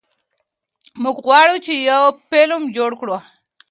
موږ غواړو چې یو فلم جوړ کړو.